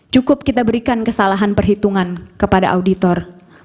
cukup kita berikan kesalahan perhitungan kepada auditor